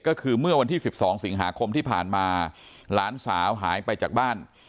ก็คือเมื่อวันที่๑๒สิงหาคมที่ผ่านมาหลานสาวหายไปจากบ้าน